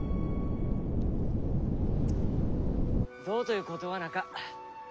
どうということはなか。